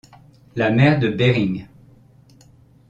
La mer de Behring —